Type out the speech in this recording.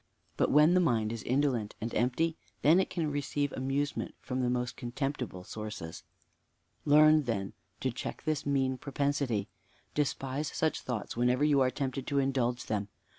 But when the mind is indolent and empty, then it can receive amusement from the most contemptible sources. Learn, then, to check this mean propensity. Despise such thoughts whenever you are tempted to indulge them.